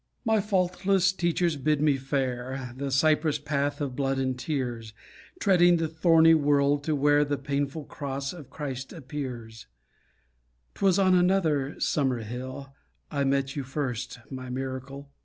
My faultless teachers bid me fare The cypress path of blood and tears, Treading the thorny wold to where The painful Cross of Christ appears; 'Twas on another, sunnier hill I met you first, my miracle.